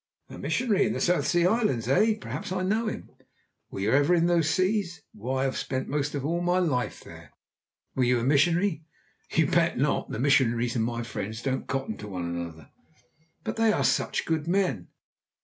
"A missionary in the South Seas, eh? Perhaps I know him." "Were you ever in those seas?" "Why, I've spent almost all my life there." "Were you a missionary?" "You bet not. The missionaries and my friends don't cotton to one another." "But they are such good men!"